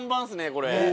これ。